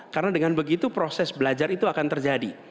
karena dengan begitu proses belajar itu akan terjadi